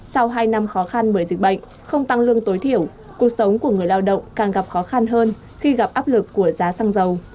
sau hai năm khó khăn bởi dịch bệnh không tăng lương tối thiểu cuộc sống của người lao động càng gặp khó khăn hơn khi gặp áp lực của giá xăng dầu